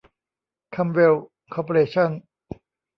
คัมเวล คอร์ปอเรชั่น